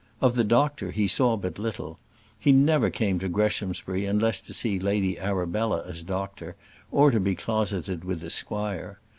Of the doctor he saw but little: he never came to Greshamsbury unless to see Lady Arabella as doctor, or to be closeted with the squire.